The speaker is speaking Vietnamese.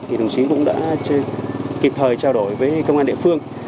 thì đồng chí cũng đã kịp thời trao đổi với công an địa phương